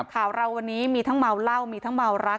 ข่าวเราวันนี้มีทั้งเมาเหล้ามีทั้งเมารัก